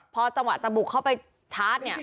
พอจังหวะจะบุกเข้าไปชาร์จเนี่ย